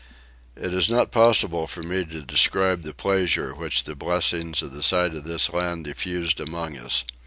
It is not possible for me to describe the pleasure which the blessing of the sight of this land diffused among us.